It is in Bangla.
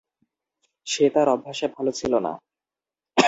সে তার অভ্যাসে ভালো ছিল না।